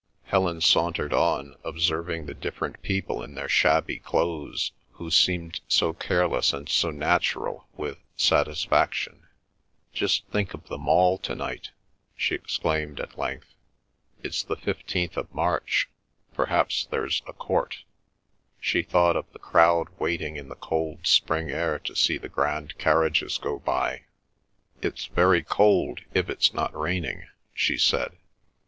Helen sauntered on, observing the different people in their shabby clothes, who seemed so careless and so natural, with satisfaction. "Just think of the Mall to night!" she exclaimed at length. "It's the fifteenth of March. Perhaps there's a Court." She thought of the crowd waiting in the cold spring air to see the grand carriages go by. "It's very cold, if it's not raining," she said.